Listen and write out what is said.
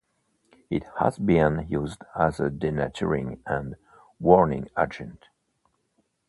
It has been used as a denaturing and warning agent.